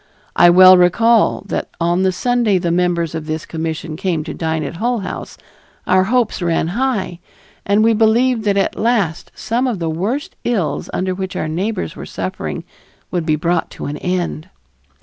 I well recall that on the Sunday the members of this commission came to dine at Hull House, our hopes ran high, and we believed that at last some of the worst ills under which our neighbors were suffering would be brought to an end.